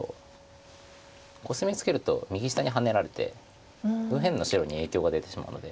コスミツケると右下にハネられて右辺の白に影響が出てしまうので。